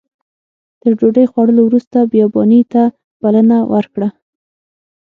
تر ډوډۍ خوړلو وروسته بیاباني ته بلنه ورکړه.